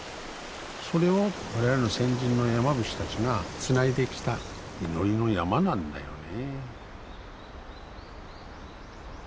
それを我々の先人の山伏たちがつないできた祈りの山なんだよね。